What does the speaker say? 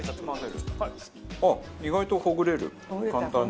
あっ意外とほぐれる簡単に。